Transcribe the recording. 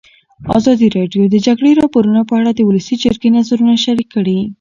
ازادي راډیو د د جګړې راپورونه په اړه د ولسي جرګې نظرونه شریک کړي.